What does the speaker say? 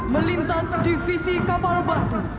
melintas divisi kapal batu